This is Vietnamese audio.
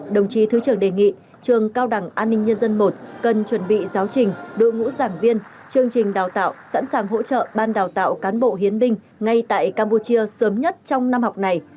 đồng chí thứ trưởng đề nghị trường cao đẳng an ninh nhân dân i cần chuẩn bị giáo trình đội ngũ giảng viên chương trình đào tạo sẵn sàng hỗ trợ ban đào tạo cán bộ hiến binh ngay tại campuchia sớm nhất trong năm học này